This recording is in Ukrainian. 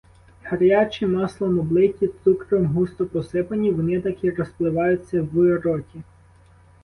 Гарячі, маслом облиті, цукром густо посипані, вони так і розпливаються в роті.